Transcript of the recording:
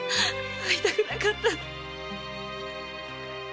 会いたくなかっ‼